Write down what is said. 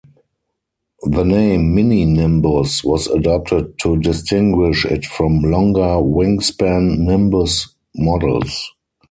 The name "Mini Nimbus" was adopted to distinguish it from longer-wingspan Nimbus models.